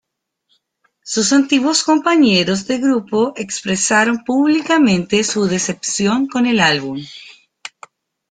Sus antiguos compañeros de grupo expresaron públicamente su decepción con el álbum.